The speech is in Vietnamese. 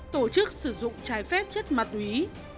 tổ chức sử dụng trái phép chất ma túy